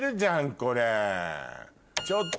これ。